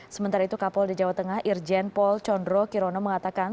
sementara itu kapolda jawa tengah irjen pol condro kirono mengatakan